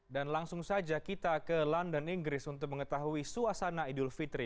dan langsung saja kita ke london inggris untuk mengetahui suasana idul fitri